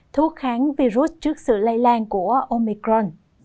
phúc kháng virus trước sự lây lan của omicron